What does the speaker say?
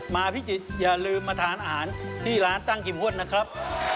พิจิตรอย่าลืมมาทานอาหารที่ร้านตั้งกิมฮวดนะครับ